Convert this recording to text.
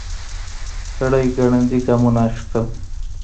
سړی ګړندي ګامونه اخيستل.